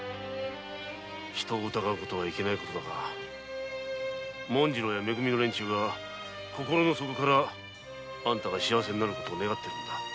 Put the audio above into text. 人を疑うのはいけない事だが紋次郎やめ組の連中は心の底からあんたが幸せになる事を願っているんだ。